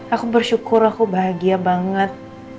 aku bersyukur aku bahagia banget